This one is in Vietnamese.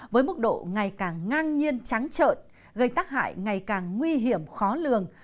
với mức độ ngày càng ngang nhiên trắng trợt gây tác hại ngày càng nguy hiểm khó lường